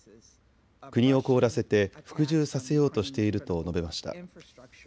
国を凍らせて服従させようとしていると述べました。